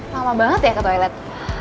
lama banget ya ke toilet